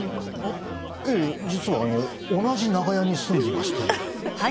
ええ実はあの同じ長屋に住んでまして。